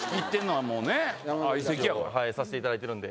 はいさせていただいてるんで。